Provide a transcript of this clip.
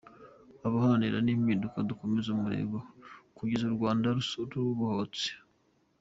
Abaharanira impinduka, dukomeze umurego kugeza u Rwanda rubohotse.